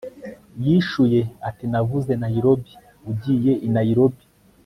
yishuye ati navuze nairobi. ugiye i nairobi